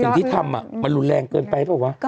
แต่สิ่งที่ทำอ่ะมันรุนแรงเกินไปเปล่าวะ